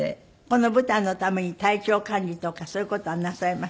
この舞台のために体調管理とかそういう事はなさいました？